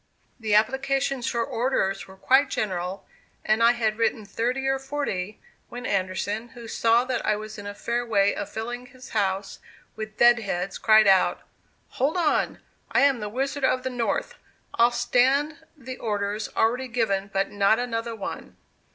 The applications for orders were quite general, and I had written thirty or forty, when Anderson, who saw that I was in a fair way of filling his house with "dead heads," cried out "Hold on! I am the 'Wizard of the North.' I'll stand the orders already given, but not another one."